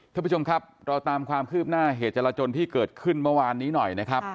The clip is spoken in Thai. ท่านผู้ชมครับเราตามความคืบหน้าเหตุจรจนที่เกิดขึ้นเมื่อวานนี้หน่อยนะครับ